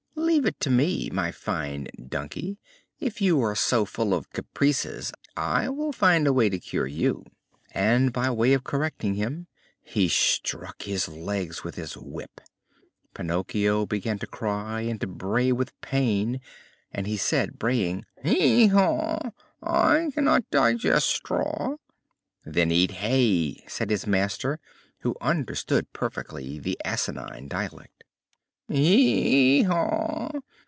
Leave it to me, my fine donkey; if you are so full of caprices I will find a way to cure you!" And by way of correcting him he struck his legs with his whip. Pinocchio began to cry and to bray with pain, and he said, braying: "Hee haw! I cannot digest straw!" "Then eat hay!" said his master, who understood perfectly the asinine dialect. "Hee haw!